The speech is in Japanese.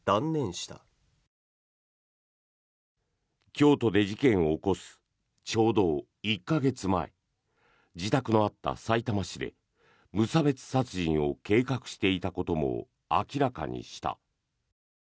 京都で事件を起こすちょうど１か月前自宅のあったさいたま市で無差別殺人を計画していたことも明らかにした。